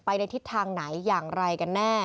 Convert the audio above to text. ในทิศทางไหนอย่างไรกันแน่